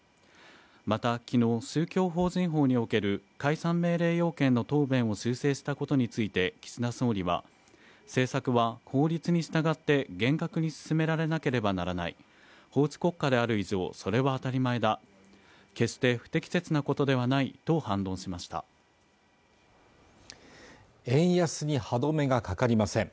またきのう宗教法人法における解散命令要件の答弁を修正したことについて岸田総理は政策は法律に従って厳格に進められなければならない法治国家である以上それは当たり前だ決して不適切なことではないと反論しました円安に歯止めがかかりません